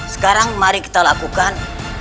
sekarang mari kita lakukan